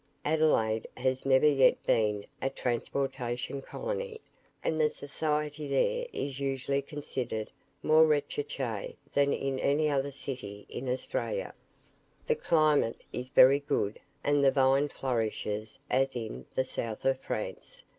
Adelaide has never yet been "a transportation colony," and the society there is usually considered more RECHERCHE than in any other city in Australia. The climate is very good, and the vine flourishes as in the south of France.